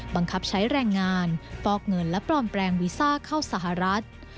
บังคับใช้แรงงานฟอกเงินและปลอมแปลงวีซ่าเข้าสหรัฐ